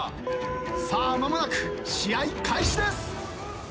さあ間もなく試合開始です。